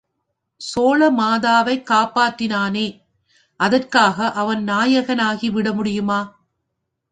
சோழ மாதாவைக் காப்பாற்றினானே, அதற்காக அவன் நாயகனாகி விடமுடியுமா?